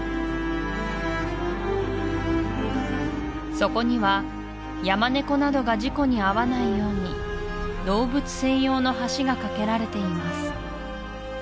そこにはヤマネコなどが事故に遭わないように動物専用の橋が架けられています